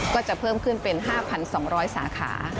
ก็จะเพิ่มขึ้นเป็น๕๒๐๐สาขา